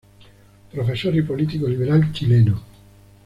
Profesor y político liberal chileno.